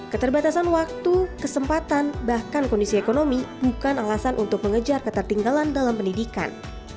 keterbatasan waktu kesempatan bahkan kondisi ekonomi bukan alasan untuk mengejar ketertinggalan dalam pendidikan